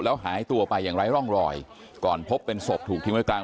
แล้วหายตัวไปอย่างไร้ร่องรอยก่อนพบเป็นศพถูกทิ้งไว้กลาง